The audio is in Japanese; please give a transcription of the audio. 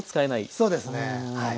そうですねはい。